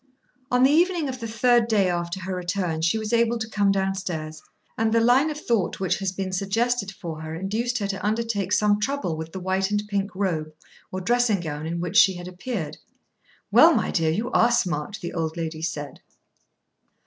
On the evening of the third day after her return she was able to come down stairs and the line of thought which has been suggested for her induced her to undertake some trouble with the white and pink robe, or dressing gown in which she had appeared. "Well, my dear, you are smart," the old lady said.